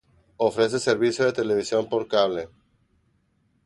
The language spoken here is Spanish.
Ofrece servicio de televisión por cable.